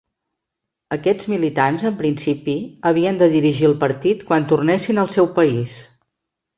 Aquests militants, en principi, havien de dirigir el partit quan tornessin al seu país.